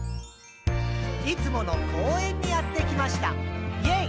「いつもの公園にやってきました！イェイ！」